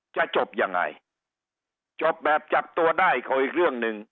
จะจบยังไงจบแบบจับตัวได้ก็อีกเรื่องหนึ่ง